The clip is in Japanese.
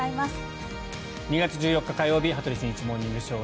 ２月１４日、火曜日「羽鳥慎一モーニングショー」。